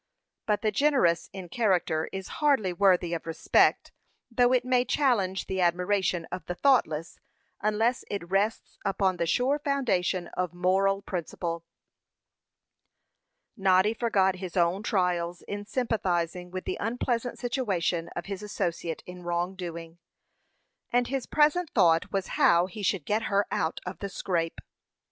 But the generous in character is hardly worthy of respect, though it may challenge the admiration of the thoughtless, unless it rests upon the sure foundation of moral principle. Noddy forgot his own trials in sympathizing with the unpleasant situation of his associate in wrongdoing, and his present thought was how he should get her out of the scrape.